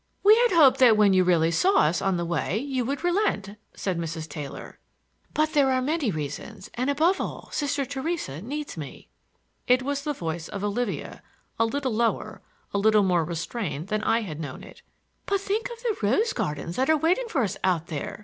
We had hoped that when you really saw us on the way you would relent," said Mrs. Taylor. "But there are many reasons; and above all Sister Theresa needs me." It was the voice of Olivia, a little lower, a little more restrained than I had known it. "But think of the rose gardens that are waiting for us out there!"